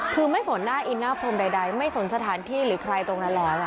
คือไม่สนหน้าอินหน้าพรมใดไม่สนสถานที่หรือใครตรงนั้นแล้ว